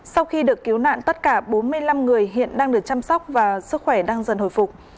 sau khi được cứu nạn tất cả bốn mươi năm người hiện đang được chăm sóc và sức khỏe đang dần hồi phục